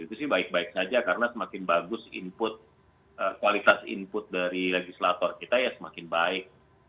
itu sih baik baik saja karena semakin bagus input kualitas input dari legislator kita ya semakin baik